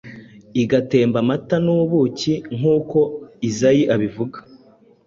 igatemba amata n‟ubuki nk‟uko Izayi abivuga.